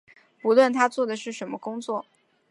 不论他做的是什么工作